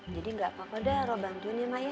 jadi gak apa apa daro bantuinnya mak ya